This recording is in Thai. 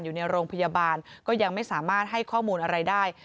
อยู่ในโรงพยาบาลก็ยังไม่สามารถให้ข้อมูลอะไรได้